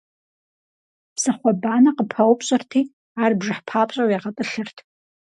Псыхъуэ банэ къыпаупщӀырти, ар бжыхь папщӀэу ягъэтӀылъырт.